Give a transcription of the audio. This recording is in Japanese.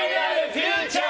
フューチャー！